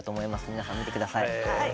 皆さん見てください。